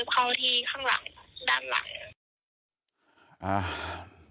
กระทืบเข้าที่ด้านหลัง